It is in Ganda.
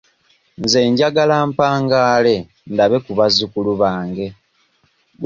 Nze njagala mpangaale ndabe ku bazukulu bange.